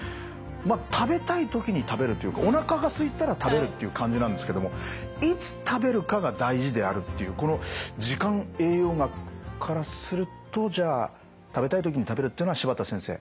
まあ食べたい時に食べるというかおなかがすいたら食べるという感じなんですけども「いつ食べるかが大事である」というこの時間栄養学からするとじゃあ食べたい時に食べるっていうのは柴田先生